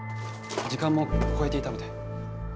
時間も超えていたので。